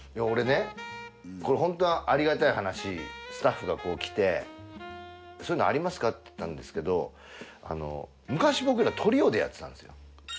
俺ねこれホントありがたい話スタッフがこう来てそういうのありますかって言ったんですけど昔僕らトリオでやってたんですよ。